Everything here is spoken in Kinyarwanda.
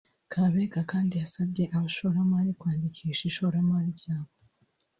Kabega kandi yasabye abashoramari kwandikisha ishoramari ryabo